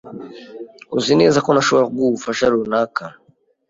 Uzi neza ko ntashobora kuguha ubufasha runaka?